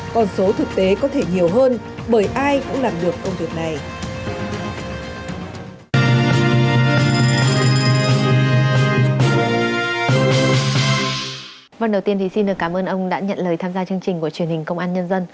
còn số thực tế có thể nhiều hơn bởi ai cũng làm được công việc này